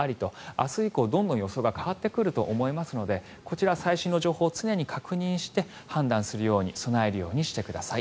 明日以降、どんどん予報が変わってくると思いますのでこちら、最新の情報を確認して判断するように備えるようにしてください。